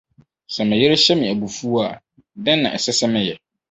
Sɛ me yere hyɛ me abufuw a, dɛn na ɛsɛ sɛ meyɛ?